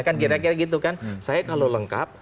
kan kira kira gitu kan saya kalau lengkap